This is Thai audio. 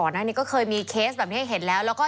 นั่นต่ำแล้วนะคะ